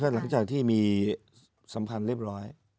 หลังจากที่มีสัมพันธ์เรียบร้อย